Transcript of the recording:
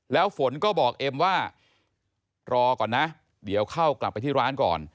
แล้วฝนก็บอกเอ็มว่ารอก่อนนะเดี๋ยวเข้ากลับไปที่ร้านก่อน